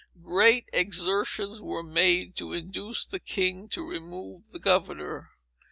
Great exertions were made, to induce the king to remove the governor.